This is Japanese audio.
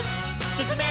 「すすめ！